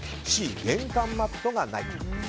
Ｃ、玄関マットがない。